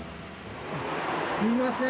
すいません。